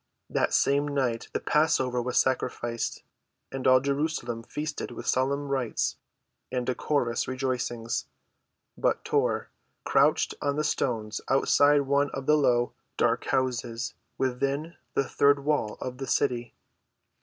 That same night the passover was sacrificed, and all Jerusalem feasted with solemn rites and decorous rejoicings. But Tor crouched on the stones outside one of the low, dark houses within the third wall of the city.